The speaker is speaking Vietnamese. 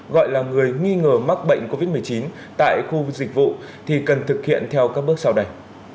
gọi là người nghi ngờ mắc bệnh covid một mươi chín tại khu dịch vụ thì cần thực hiện theo các bước sau đây